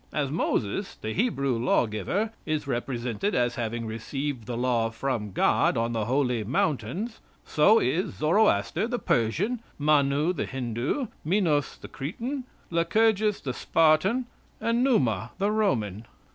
As Moses the Hebrew law giver, is represented as having received the law from God on the holy mountains, so is Zoroaster, the Persian, Manu, the Hindoo, Minos, the Cretan, Lycurgus, the Spartan, and Numa, the Roman."